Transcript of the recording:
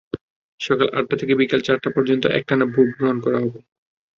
সকাল আটটা থেকে বিকেল চারটা পর্যন্ত একটানা ভোট গ্রহণ করা হবে।